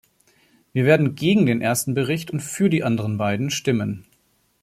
Wir werden gegen den ersten Bericht und für die anderen beiden stimmen.